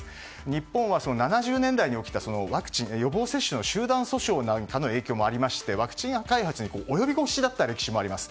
日本は７０年代に起きた予防接種の集団訴訟なんかの影響もありましてワクチン開発に及び腰だった歴史もあります。